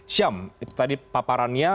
syam itu tadi paparannya